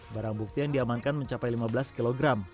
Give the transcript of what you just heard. barang bukti yang diamankan mencapai lima belas kg